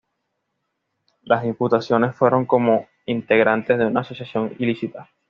Las imputaciones fueron como integrantes de una asociación ilícita.